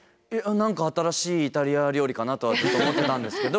何か新しいイタリア料理かなとは思ってたんですけど